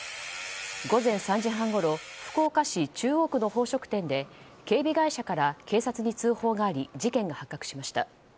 午前３時半ごろ福岡市中央区の宝飾店で警備会社から警察に通報があり事件が発覚しました。